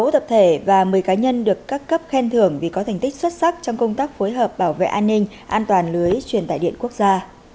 sáu mươi tập thể và một mươi cá nhân được các cấp khen thưởng vì có thành tích xuất sắc trong công tác phối hợp bảo vệ an ninh an toàn lưới truyền tải điện quốc gia